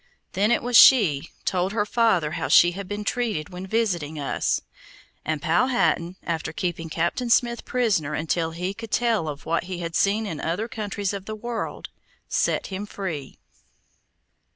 Then it was she told her father how she had been treated when visiting us, and Powhatan, after keeping Captain Smith prisoner until he could tell of what he had seen in other countries of the world, set him free.